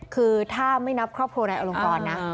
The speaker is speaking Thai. คือถ้าไม่นับครอบครัวนายอลงกรนะ